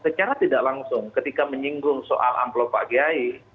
secara tidak langsung ketika menyinggung soal amplopak p tiga